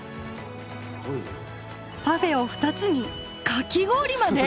パフェを２つにかき氷まで！？